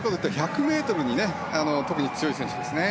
１００ｍに特に強い選手ですね。